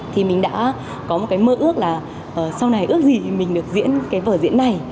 thì mình đã có một mơ ước là sau này ước gì mình được diễn vở diễn này